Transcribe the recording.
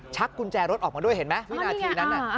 ชักกุญแจรถออกมาด้วยเห็นมั้ย